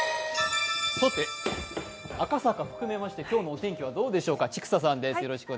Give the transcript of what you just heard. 赤坂を含めまして今日のお天気はどうでしょうか。